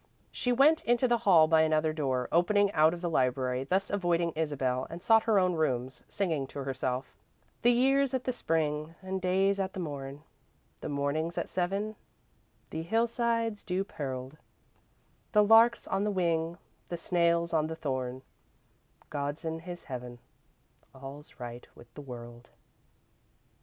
She went into the hall by another door opening out of the library, thus avoiding Isabel, and sought her own room, singing to herself: "The year's at the spring, And day's at the morn, The morning's at seven, The hillside's dew pearled, The lark's on the wing, The snail's on the thorn; God's in His heaven All's right with the world!"